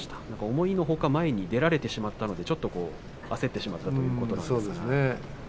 思いのほか前に出られてしまったので慌ててしまったということです。